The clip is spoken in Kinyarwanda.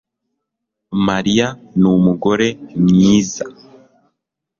Mariya numugore mwiza